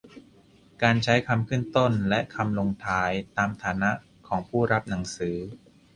การใช้คำขึ้นต้นและคำลงท้ายตามฐานะของผู้รับหนังสือ